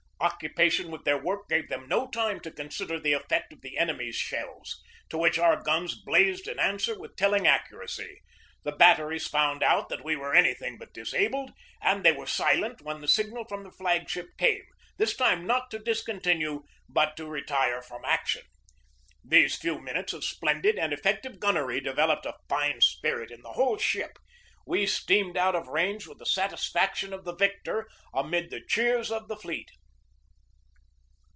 Occupation with their work gave them no time to consider the effect of the enemy's shells, to which our guns blazed in answer with telling ac curacy. The batteries found out that we were any thing but disabled, and they were silent when the signal from the flag ship came, this time not to dis continue but to retire from action. These few min utes of splendid and effective gunnery developed a fine spirit in the whole ship. We steamed out of range with the satisfaction of the victor amid the cheers of the fleet.